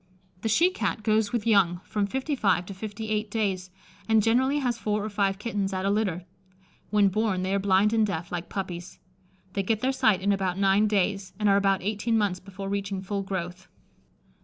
The she Cat goes with young from fifty five to fifty eight days, and generally has four or five kittens at a litter. When born, they are blind and deaf, like puppies. They get their sight in about nine days, and are about eighteen months before reaching full growth.